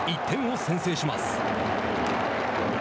１点を先制します。